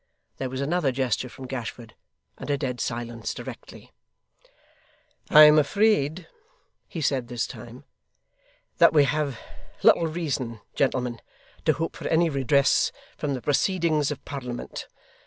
There was another gesture from Gashford, and a dead silence directly. 'I am afraid,' he said, this time, 'that we have little reason, gentlemen, to hope for any redress from the proceedings of Parliament.